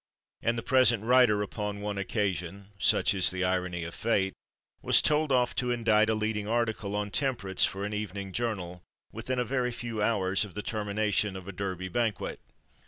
And the present writer upon one occasion such is the irony of fate was told off to indite a leading article on "Temperance" for an evening journal, within a very few hours of the termination of a "Derby" banquet.